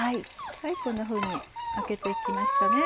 こんなふうに空けて行きましたね。